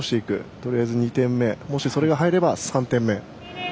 とりあえず２点目もしそれが入れば３点目。